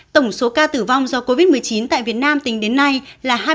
tổng số ca tử vong do covid một mươi chín tại việt nam tính đến nay là hai mươi một năm trăm bốn mươi tám